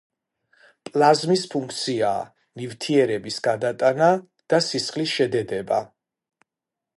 პლაზმის ფუნქციაა: ნივთიერების გადატანა და სისხლის შედედება.